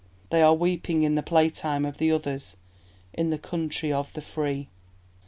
They are weeping in the playtime of the others, In the country of the free.